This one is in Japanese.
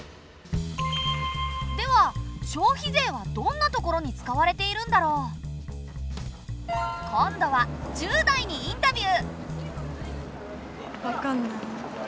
では消費税はどんなところに使われているんだろう？今度は１０代にインタビュー！